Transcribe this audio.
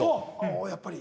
おやっぱり。